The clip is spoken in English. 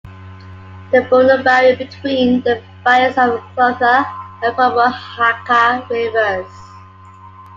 They form a barrier between the valleys of the Clutha and Pomahaka Rivers.